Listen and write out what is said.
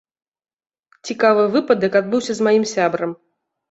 Цікавы выпадак адбыўся з маім сябрам.